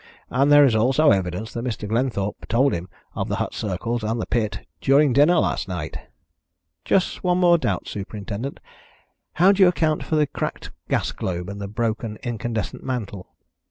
And there is also evidence that Mr. Glenthorpe told him of the hut circles and the pit during dinner last night." "Just one more doubt, Superintendent. How do you account for the cracked gas globe and the broken incandescent mantle?"